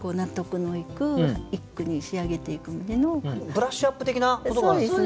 ブラッシュアップ的なことがあるんですね。